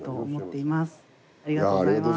いやぁありがとうございます。